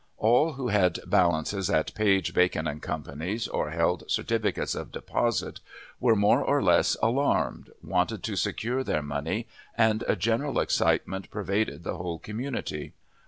All who had balances at Page, Bacon & Co.'s, or held certificates of deposit, were more or less alarmed, wanted to secure their money, and a general excitement pervaded the whole community.